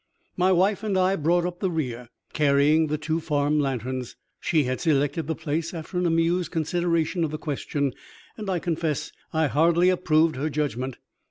My wife and I brought up the rear, carrying the two farm lanterns. She had selected the place after an amused consideration of the question, and I confess I hardly approved her judgment.